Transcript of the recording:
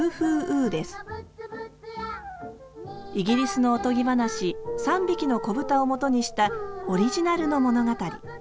イギリスのおとぎ話「３匹の子豚」をもとにしたオリジナルの物語。